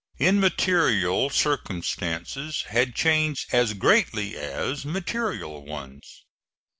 Immaterial circumstances had changed as greatly as material ones.